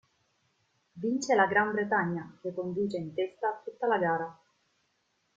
Vince la Gran Bretagna, che conduce in testa tutta la gara.